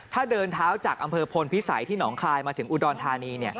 ถ้าเดินเท้าจากอำเภอพลพิสัยที่หนองคายมาถึงอุดรธานี